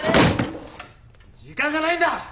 時間がないんだ！